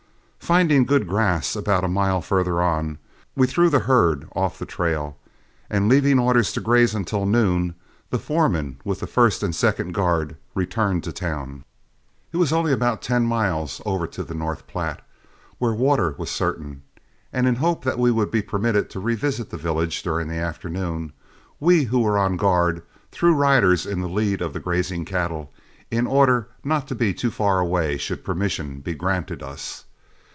Finding good grass about a mile farther on, we threw the herd off the trail, and leaving orders to graze until noon, the foreman with the first and second guard returned to town. It was only about ten miles over to the North Platte, where water was certain; and in the hope that we would be permitted to revisit the village during the afternoon, we who were on guard threw riders in the lead of the grazing cattle, in order not to be too far away should permission be granted us.